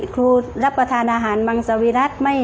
รับประทานอาหารมังสวิรัติ